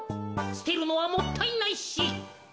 すてるのはもったいないし。